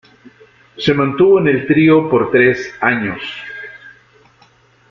Se mantuvo en el trío por tres años.